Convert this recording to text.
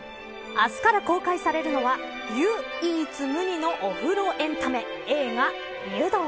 明日から公開されるのは湯一無二のお風呂エンタメ映画、湯道。